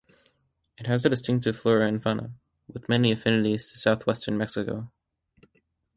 It has a distinctive flora and fauna, with many affinities to Southwestern Mexico.